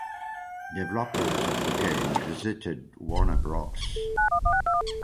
Developers of the game visited Warner Bros.